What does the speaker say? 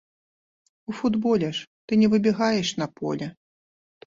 У футболе ж ты не выбегаеш на поле.